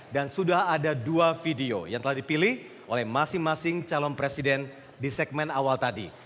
dan sudah ada dua video yang telah dipilih oleh masing masing calon presiden di segmen awal tadi